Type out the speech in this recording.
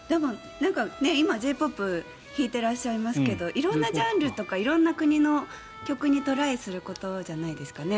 今、Ｊ−ＰＯＰ弾いてらっしゃいますけど色んなジャンルとか色んな国の曲にトライすることじゃないですかね。